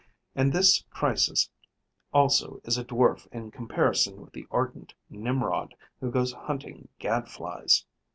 And this Chrysis also is a dwarf in comparison with the ardent Nimrod who goes hunting Gad flies.